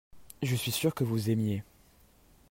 je suis sûr que vous aimiez.